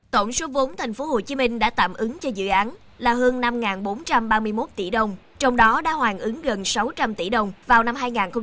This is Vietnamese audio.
tổng số vốn tp hcm đã tạm ứng cho dự án là hơn năm bốn trăm ba mươi một tỷ đồng trong đó đã hoàn ứng gần sáu trăm linh tỷ đồng vào năm hai nghìn một mươi năm